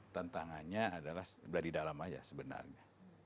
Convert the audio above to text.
tantangannya adalah dari dalam aja sebenarnya